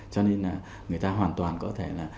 cho nên là người ta hoàn toàn có thể là